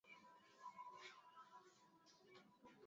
hakika mtu anayefahamika na kujulikana sana ni ahmed mistil